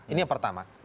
ini yang pertama